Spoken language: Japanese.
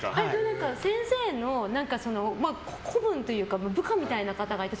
先生の子分というか部下みたいな方がいて。